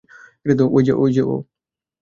ঐ যে ও!